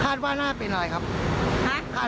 ป้าคิดว่าคนจะหยุดตรงนั้นหรือเปล่า